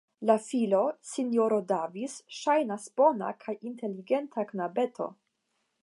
Via filo, Sinjoro Davis, ŝajnas bona kaj inteligenta knabeto.